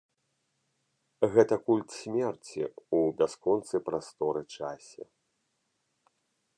Гэта культ смерці ў бясконцай прасторы-часе.